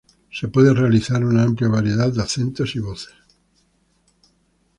Se puede realizar una amplia variedad de acentos y voces.